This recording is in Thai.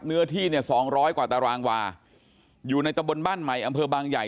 เนื้อที่เนี่ยสองร้อยกว่าตารางวาอยู่ในตะบนบ้านใหม่อำเภอบางใหญ่